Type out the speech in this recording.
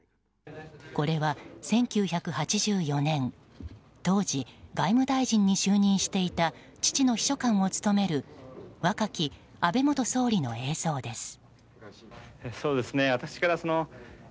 これは１９８４年当時、外務大臣に就任していた父の秘書官を務める若き安倍元総理の映像です。